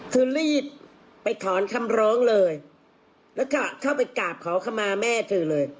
คือรีบไปถอนคำร้องเลยแล้วก็เข้าไปกราบขอขมาแม่เธอเลย